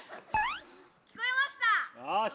聞こえました！